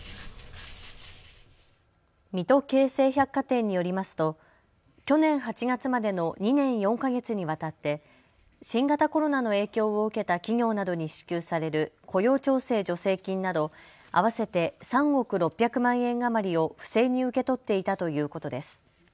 水戸京成百貨店によりますと去年８月までの２年４か月にわたって新型コロナの影響を受けた企業などに支給される雇用調整助成金など合わせて３億６００万円余りを不正に受け取っていたということです。